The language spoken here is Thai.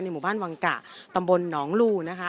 หมู่บ้านวังกะตำบลหนองลูนะคะ